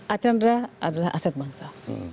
arkanra adalah aset bangsa